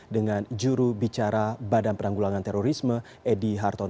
dengan juru bicara badan penanggulangan terorisme edi harton